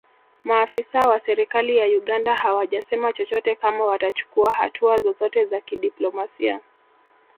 Maafisa wa serikali ya Uganda hawajasema chochote kama watachukua hatua zozote za kidiplomasia